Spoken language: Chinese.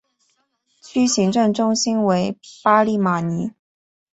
区行政中心为巴利马尼。